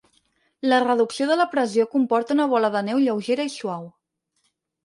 La reducció de la pressió comporta una bola de neu lleugera i suau.